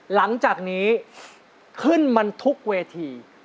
หลังจากนี้ขึ้นมันทุกเวที